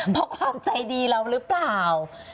เพราะความใจดีเราหรือเปล่า